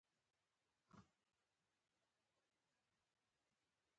د اسفناج ګل د هډوکو لپاره وکاروئ